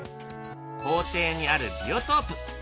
校庭にあるビオトープ